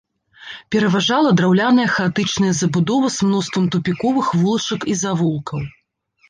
Пераважала драўляная хаатычная забудова з мноствам тупіковых вулачак і завулкаў.